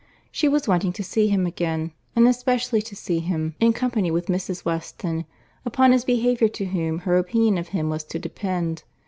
She was wanting to see him again, and especially to see him in company with Mrs. Weston, upon his behaviour to whom her opinion of him was to depend.